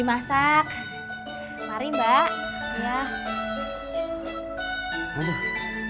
kepala gua udah nyut nyutan